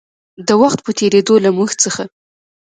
د وخـت پـه تېـرېدو لـه مـوږ څـخـه